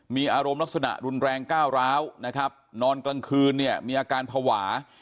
มีอารมณ์ลักษณะรุนแรงก้าวร้าวนะครับนอนกลางคืนเนี่ยมีอาการภาวะ